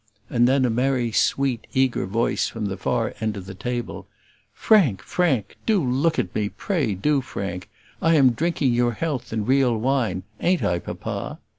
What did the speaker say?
and then a merry, sweet, eager voice from the far end of the table, "Frank! Frank! Do look at me, pray do Frank; I am drinking your health in real wine; ain't I, papa?"